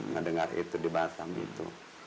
ngedengar itu di batam itu